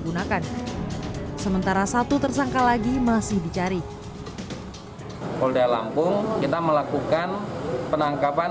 gunakan sementara satu tersangka lagi masih dicari polda lampung kita melakukan penangkapan